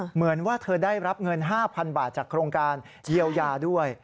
เหมือนว่าเธอได้รับเงิน๕๐๐๐บาทจากโครงการเยียวยาด้วย